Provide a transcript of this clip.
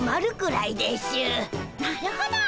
なるほど。